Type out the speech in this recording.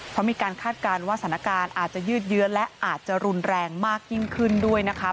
เพราะมีการคาดการณ์ว่าสถานการณ์อาจจะยืดเยื้อและอาจจะรุนแรงมากยิ่งขึ้นด้วยนะคะ